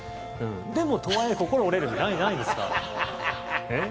でも、とはいえ心折れる日ないんですか？